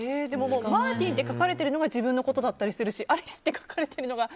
マーティンって書かれてるのが自分のことだったりするしアリスって書かれてるのが。